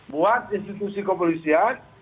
buat institusi kepolisian